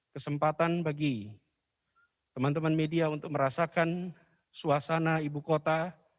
kesempatan bagi teman teman media untuk merasakan suasana ibu kota